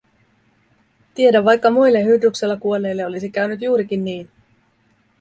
Tiedä vaikka muille Hydruksella kuolleille olisi käynyt juurikin niin.